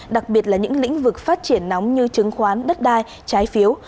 đặc biệt là những lĩnh vực phát triển nóng như chứng khoán đất đai trái phiếu